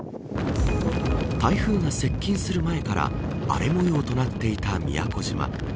台風が接近する前から荒れ模様となっていた宮古島。